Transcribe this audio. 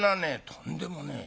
「とんでもねえ。